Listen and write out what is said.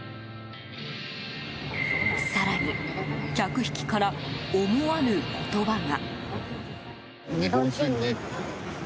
更に、客引きから思わぬ言葉が。